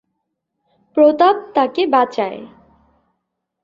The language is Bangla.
প্রতাপ তাকে বাঁচায়।